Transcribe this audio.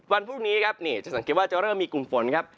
วันพรุ่งนี้ครับนี่จะสังเกตว่าจะเริ่มมีกลุ่มฝนครับ